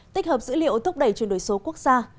tích hợp dữ liệu thúc đẩy chuyển đổi số quốc gia